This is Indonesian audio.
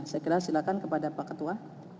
saya kira silakan kepada pak ketua